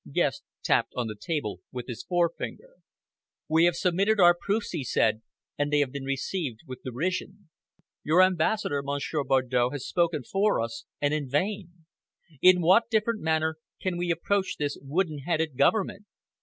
Guest tapped on the table with his forefinger. "We have submitted our proofs," he said, "and they have been received with derision. Your ambassador, Monsieur Bardow, has spoken for us and in vain! In what different manner can we approach this wooden headed government?